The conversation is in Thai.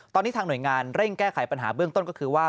ตอนนี้ทางหน่วยงานเร่งแก้ไขปัญหาเบื้องต้นก็คือว่า